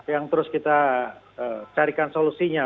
yang terus kita carikan solusinya